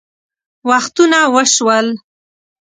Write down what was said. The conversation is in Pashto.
وختونه وشوه